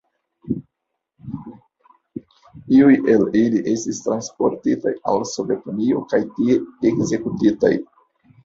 Iuj el ili estis transportitaj al Sovetunio kaj tie ekzekutitaj.